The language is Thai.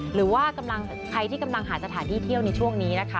หรือว่าใครที่หาจัดถ่าที่เที่ยวในช่วงนี้